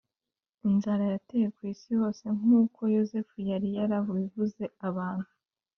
inzara yateye ku isi hose nk uko Yozefu yari yarabivuze Abantu